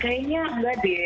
kayaknya enggak deh